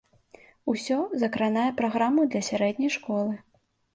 Усё закранае праграму для сярэдняй школы.